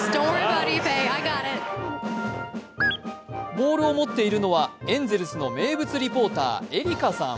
ボールを持っているのはエンゼルスの名物リポーター・エリカさん。